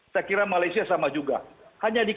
saya kira malaysia sama juga hanya di